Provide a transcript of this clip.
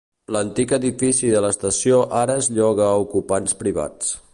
L'antic edifici de l'estació ara es lloga a ocupants privats.